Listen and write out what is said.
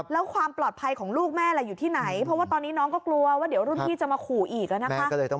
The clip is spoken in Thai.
แล้วความปลอดภัยของลูกแม่อยู่ที่ไหน